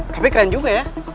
tapi keren juga ya